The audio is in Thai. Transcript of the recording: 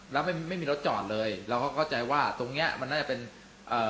แล้วไม่ไม่มีรถจอดเลยเราก็เข้าใจว่าตรงเนี้ยมันน่าจะเป็นเอ่อ